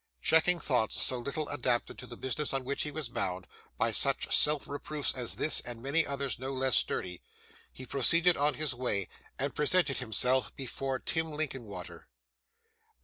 Checking thoughts so little adapted to the business on which he was bound, by such self reproofs as this and many others no less sturdy, he proceeded on his way and presented himself before Tim Linkinwater.